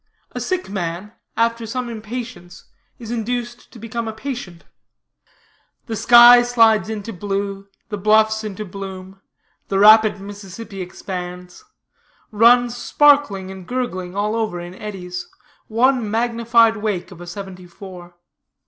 A SICK MAN, AFTER SOME IMPATIENCE, IS INDUCED TO BECOME A PATIENT The sky slides into blue, the bluffs into bloom; the rapid Mississippi expands; runs sparkling and gurgling, all over in eddies; one magnified wake of a seventy four.